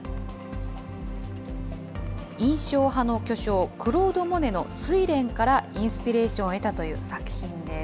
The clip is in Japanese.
印象派の巨匠、クロード・モネの睡蓮からインスピレーションを得たという作品です。